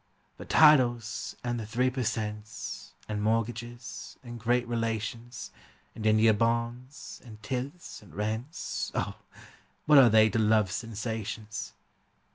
But titles and the three per cents, And mortgages, and great relations, And India bonds, and tithes and rents, O, what are they to love's sensations?